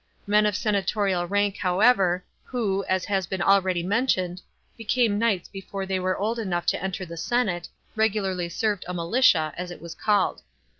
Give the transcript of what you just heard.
Men of senatorial rank, however, who, as has been already mentioned, became knights before they were old enough to enter the senate, regularly served a militia, as it was called.